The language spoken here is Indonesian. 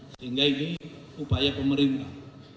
sehingga ini upaya pemerintah